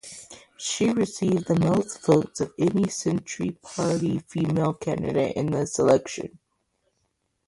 She received the most votes of any Centre Party female candidate in the election.